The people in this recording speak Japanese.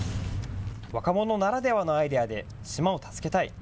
若者ならではのアイデアで島を助けたい。